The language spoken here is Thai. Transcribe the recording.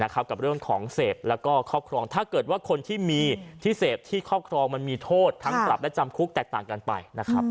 กับเรื่องของเสพแล้วก็ครอบครองถ้าเกิดว่าคนที่มีที่เสพที่ครอบครองมันมีโทษทั้งปรับและจำคุกแตกต่างกันไป